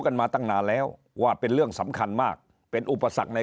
กันมาตั้งนานแล้วว่าเป็นเรื่องสำคัญมากเป็นอุปสรรคใน